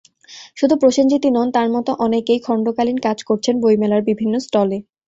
শুধু প্রসেনজিৎই নন, তাঁর মতো অনেকেই খণ্ডকালীন কাজ করছেন বইমেলার বিভিন্ন স্টলে।